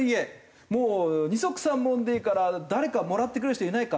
二束三文でいいから誰かもらってくれる人いないか？